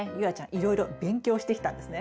いろいろ勉強してきたんですね。